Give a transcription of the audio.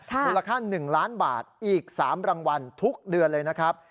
มูลค่า๑ล้านบาทอีก๓รางวัลทุกเดือนเลยนะครับ